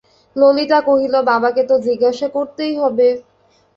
ললিতা কহিল, বাবাকে তো জিজ্ঞাসা করতেই হবে।